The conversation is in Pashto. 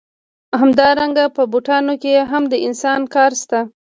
همدارنګه په بوټانو کې هم د انسان کار شته